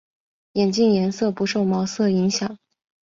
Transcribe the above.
眼镜颜色不受毛色影响。